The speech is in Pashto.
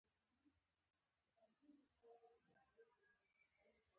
د لیمو پوستکی د عطر لپاره وکاروئ